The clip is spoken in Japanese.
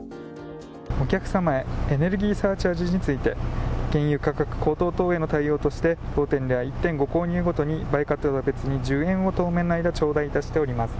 お客様へエネルギーサーチャージについて原油価格高騰等への対応として当店では１点ご購入ごとに売価とは別に１０円を当面の間ちょうだい致しております。